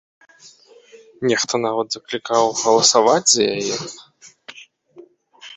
Нехта нават заклікаў галасаваць за яе.